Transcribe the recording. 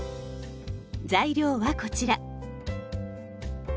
材料はこちら。